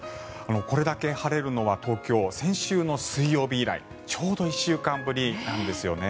これだけ晴れるのは東京は先週水曜日以来ちょうど１週間ぶりなんですよね。